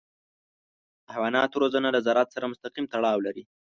د حیواناتو روزنه له زراعت سره مستقیم تړاو لري.